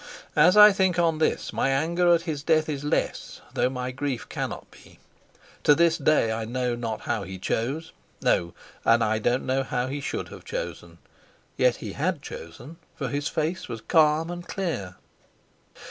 As I think on this my anger at his death is less, though my grief cannot be. To this day I know not how he chose; no, and I don't know how he should have chosen. Yet he had chosen, for his face was calm and clear.